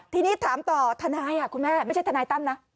ทีนี้ถามต่อทนายคุณแม่ไม่ใช่ทนายตั้มนะ